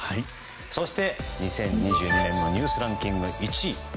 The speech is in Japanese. そして、２０２２年のニュースランキング１位。